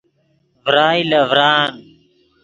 ڤرائے لے ڤران